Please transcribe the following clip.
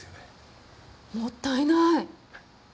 もったいない。